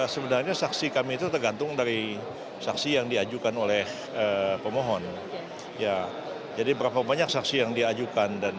sebenarnya saksi kami itu tergantung dari saksi yang diajukan oleh pemohon jadi berapa banyak saksi yang diajukan